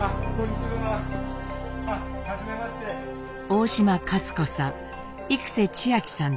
大島勝子さん